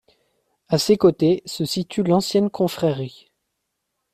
À ses côtés, se situe l'ancienne confrérie.